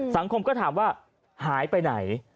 สังคมก็ถามว่าหายไปไหน